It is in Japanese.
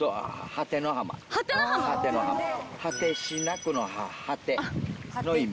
果てしなくの「果て」の意味。